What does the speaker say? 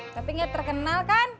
tapi gak terkenal kan